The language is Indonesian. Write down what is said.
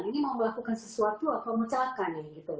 ini mau melakukan sesuatu atau mencelakkan